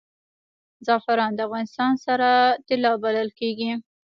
زعفران د افغانستان سره طلا بلل کیږي